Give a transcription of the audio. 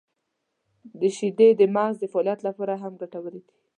• شیدې د مغز د فعالیت لپاره هم ګټورې دي.